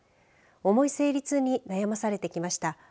重い生理痛に悩まされてきました。